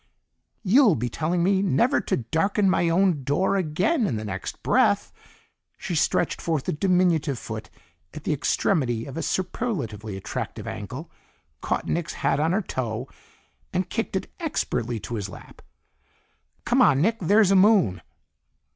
"You'll be telling me never to darken my own door again in the next breath!" She stretched forth a diminutive foot at the extremity of a superlatively attractive ankle, caught Nick's hat on her toe, and kicked it expertly to his lap. "Come on, Nick. There's a moon."